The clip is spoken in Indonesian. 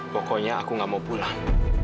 pokoknya aku gak mau pulang